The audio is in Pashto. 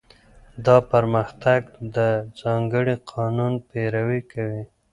دا پرمختګ د ځانګړي قانون پیروي کوي.